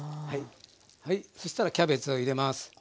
はいそしたらキャベツを入れます。